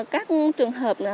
các trường hợp